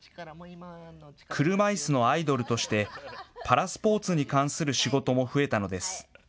車いすのアイドルとしてパラスポーツに関する仕事も増えたのです。